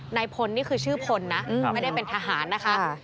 นายพลนี่คือชื่อพลนะไม่ได้เป็นทหารนะคะ